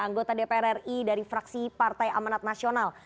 anggota dpr ri dari fraksi partai amanat nasional